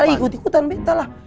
aku ikut ikutan aku lah